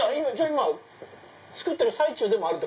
今作ってる最中でもある？